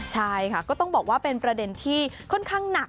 ใช่ค่ะก็ต้องบอกว่าเป็นประเด็นที่ค่อนข้างหนัก